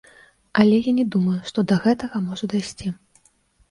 Але я не думаю, што да гэтага можа дайсці.